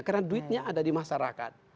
karena duitnya ada di masyarakat